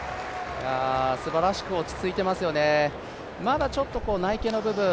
すばらしく落ち着いていますよね、まだちょっと内傾の部分